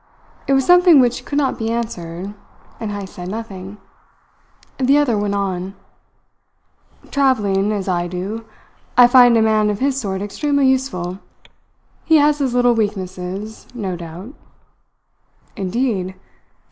It was something which could not be answered, and Heyst said nothing. The other went on: "Travelling as I do, I find a man of his sort extremely useful. He has his little weaknesses, no doubt." "Indeed!"